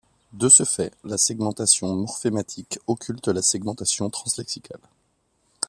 De ce fait, la segmentation morphématique occulte la segmentation translexicale.